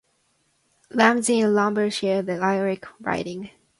Ramsey and Lombardo shared the lyric writing.